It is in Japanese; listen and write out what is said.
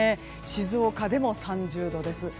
静岡でも３０度です。